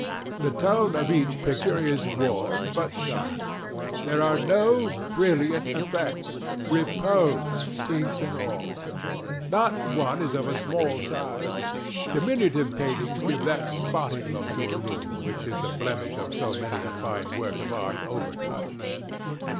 The tone of each picture is warm, but dark. There are no "brilliant effects." _Repose _speaks in all. Not one is of small size. Diminutive paintings give that _spotty _look to a room, which is the blemish of so many a fine work of Art overtouched.